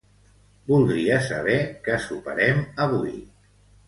Voldria saber què soparem avui.